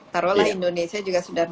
taruhlah indonesia juga sudah